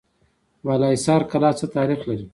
بالاحصار کلا څه تاریخ لري؟